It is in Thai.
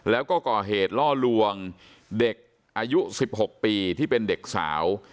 แล้วก็ก่อเหตุล่อลวงเด็กอายุ๑๖ปีที่เป็นเด็กสาว